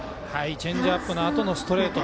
チェンジアップのあとのストレート。